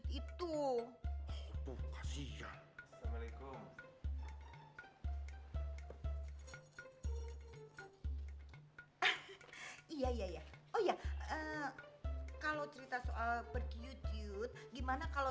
itu itu kasian assalamualaikum iya iya iya oh ya kalau cerita soal perkucut gimana kalau